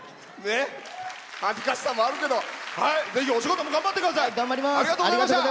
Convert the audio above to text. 恥ずかしさもあるけどぜひお仕事も頑張ってください。